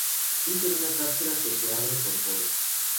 Fruto en cápsula que se abre por poros.